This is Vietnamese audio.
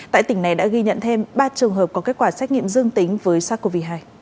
tại tỉnh này đã ghi nhận thêm ba trường hợp có kết quả xét nghiệm dương tính với sars cov hai